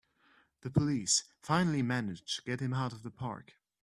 The police finally manage to get him out of the park!